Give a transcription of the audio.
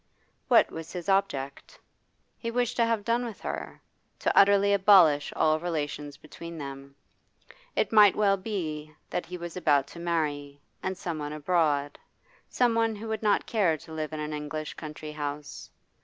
What was his object? He wished to have done with her, to utterly abolish all relations between them. It might well be that he was about to marry, and someone abroad, someone who would not care to live in an English country house.